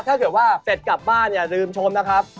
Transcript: ถ้าเกิดว่าเสร็จกลับบ้านอย่าลืมชมนะครับ